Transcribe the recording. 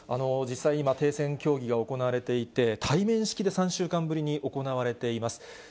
実際に今、停戦協議が行われていて、対面式で３週間ぶりに行われています。